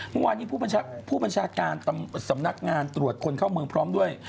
เมื่อวานนี้ผู้บัญชาการสำนักงานตรวจคนเข้าเมืองพร้อมด้วย